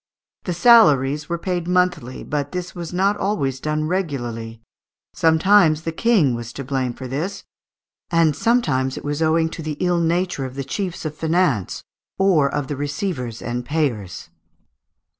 The salaries were paid monthly; but this was not always done regularly; sometimes the King was to blame for this, and sometimes it was owing to the ill nature of the chiefs of finance, or of the receivers and payers.